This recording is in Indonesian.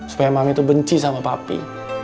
supaya mami tuh benci sama papi